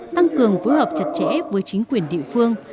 tăng cường phối hợp chặt chẽ với chính quyền địa phương